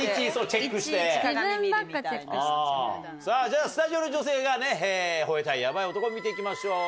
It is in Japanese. じゃあスタジオの女性が吠えたいヤバい男見て行きましょう。